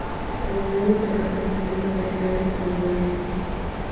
Pero debemos dejar que el público decida que tan buena es.